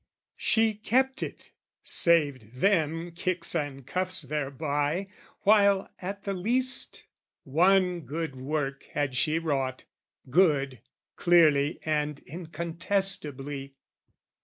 She kept it, saved them kicks and cuffs thereby. While at the least one good work had she wrought, Good, clearly and incontestably!